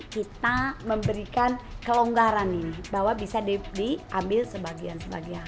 kita memberikan kelonggaran ini bahwa bisa diambil sebagian sebagian